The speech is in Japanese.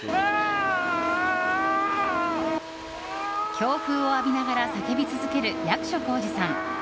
強風を浴びながら叫び続ける役所広司さん。